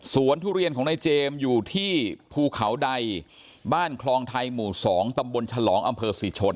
ทุเรียนของนายเจมส์อยู่ที่ภูเขาใดบ้านคลองไทยหมู่๒ตำบลฉลองอำเภอศรีชน